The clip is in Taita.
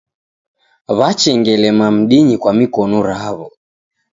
W'achengelema mdinyi kwa mikonu raw'o.